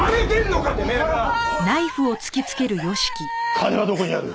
金はどこにある？